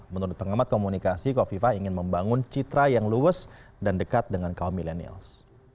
menurut pengamat komunikasi kofifa ingin membangun citra yang luwes dan dekat dengan kaum milenials